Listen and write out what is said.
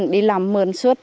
đi làm mượn suốt